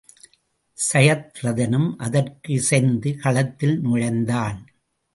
சயத்ரதனும் அதற்கு இசைந்து களத்தில் நுழைந்தான்.